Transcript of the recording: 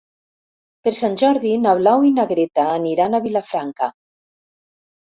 Per Sant Jordi na Blau i na Greta aniran a Vilafranca.